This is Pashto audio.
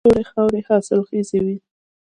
تورې خاورې حاصلخیزې وي.